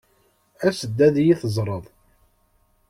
As-d ad iyi-teẓreḍ.